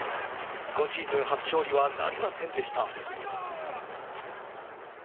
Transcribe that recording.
今シーズン初勝利はなりませんでした。